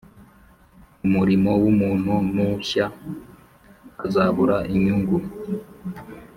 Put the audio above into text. umurimo w'umuntu n'ushya, azabura inyungu,